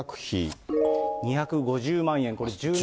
２５０万円、これ。